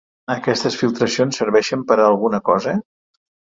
Aquestes filtracions serveixen per a alguna cosa?